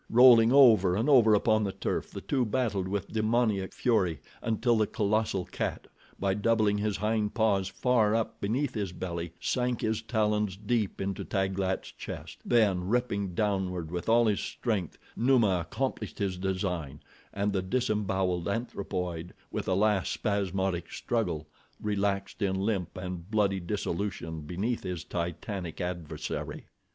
Rolling over and over upon the turf the two battled with demoniac fury, until the colossal cat, by doubling his hind paws far up beneath his belly sank his talons deep into Taglat's chest, then, ripping downward with all his strength, Numa accomplished his design, and the disemboweled anthropoid, with a last spasmodic struggle, relaxed in limp and bloody dissolution beneath his titanic adversary.